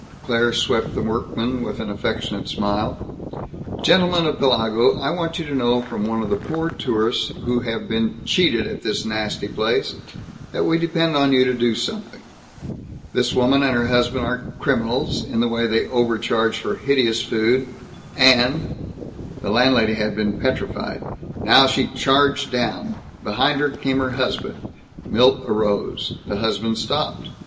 Claire swept the workmen with an affectionate smile. "Gentlemen of Pellago, I want you to know from one of the poor tourists who have been cheated at this nasty place that we depend on you to do something. This woman and her husband are criminals, in the way they overcharge for hideous food and " The landlady had been petrified. Now she charged down. Behind her came her husband. Milt arose. The husband stopped.